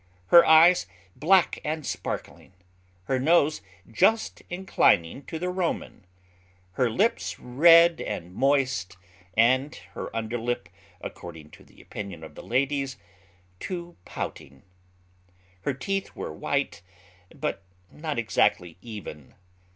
Her eyes black and sparkling; her nose just inclining to the Roman; her lips red and moist, and her underlip, according to the opinion of the ladies, too pouting. Her teeth were white, but not exactly even.